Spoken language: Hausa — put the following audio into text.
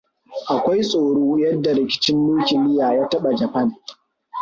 Akwai tsoro yadda rikicin nukiliya ya taɓa Japan.